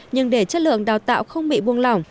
nhưng để chất lượng đào tạo không bị buông lỏng